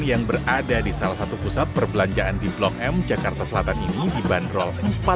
yang berada di salah satu pusat perbelanjaan di blok m jakarta selatan ini dibanderol